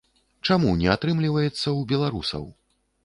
Чаму не атрымліваецца ў беларусаў?